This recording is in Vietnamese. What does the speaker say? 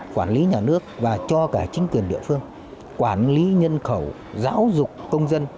quản lý nhà nước và cho cả chính quyền địa phương quản lý nhân khẩu giáo dục công dân